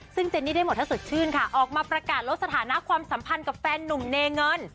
ซึ่งเจนนี่ได้หมดถ้าสดชื่นค่ะออกมาประกาศลดสถานะความสัมพันธ์กับแฟนนุ่มเนเงิน